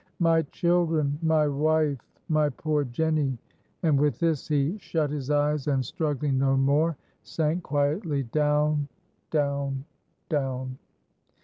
"My children! my wife! my poor Jenny!" and with this he shut his eyes, and, struggling no more, sank quietly down! down! down.